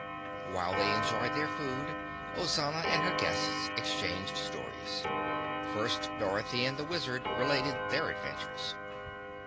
While they enjoyed their food, Ozana and her guests exchanged stories. First Dorothy and the Wizard related their adventures.